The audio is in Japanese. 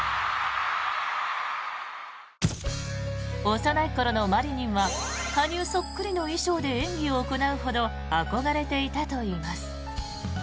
幼い頃のマリニンは羽生そっくりの衣装で演技を行うほど憧れていたといいます。